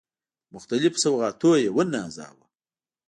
په مختلفو سوغاتونو يې ونازاوه.